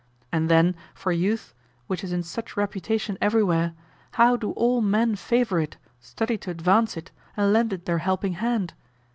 And then for youth, which is in such reputation everywhere, how do all men favor it, study to advance it, and lend it their helping hand?